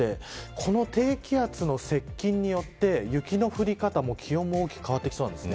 この低気圧の接近によって雪の降り方も気温も大きく変わってきそうなんです。